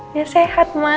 dia sehat mah